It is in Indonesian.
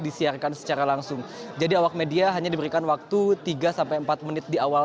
disiarkan secara langsung jadi awak media hanya diberikan waktu tiga sampai empat menit diawal